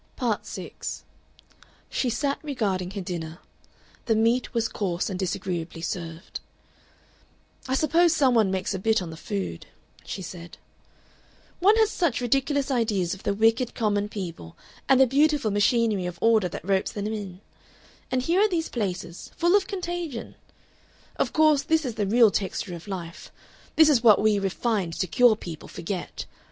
Part 6 She sat regarding her dinner. The meat was coarse and disagreeably served. "I suppose some one makes a bit on the food," she said.... "One has such ridiculous ideas of the wicked common people and the beautiful machinery of order that ropes them in. And here are these places, full of contagion! "Of course, this is the real texture of life, this is what we refined secure people forget.